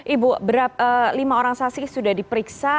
ibu lima orang saksi sudah diperiksa